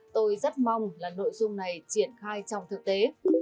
tôi rất mong là nội dung này triển khai trong thực tế